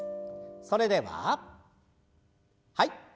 それでははい。